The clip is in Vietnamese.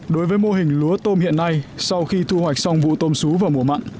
đối với mô hình lúa tôm hiện nay sau khi thu hoạch xong vụ tôm xú vào mùa mặn